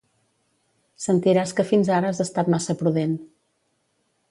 Sentiràs que fins ara has estat massa prudent